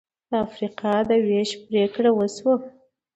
د افریقا د وېش پرېکړه وشوه.